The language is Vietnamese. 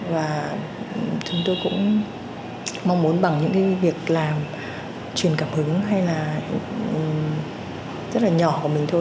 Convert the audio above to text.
và chúng tôi cũng mong muốn bằng những cái việc làm truyền cảm hứng hay là rất là nhỏ của mình thôi